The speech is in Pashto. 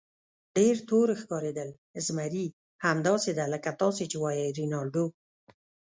ډېر تور ښکارېدل، زمري: همداسې ده لکه تاسې چې وایئ رینالډو.